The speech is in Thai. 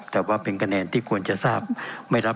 แต่ว่าเป็นคะแนนที่ควรจะทราบไม่รับ